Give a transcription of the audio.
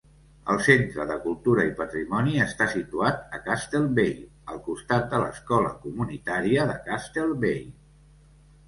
El Centre de Cultura i Patrimoni està situat a Castlebay, al costat de l'escola comunitària de Castlebay.